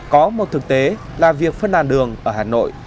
có một thực tế là việc phân làn đường ở hà nội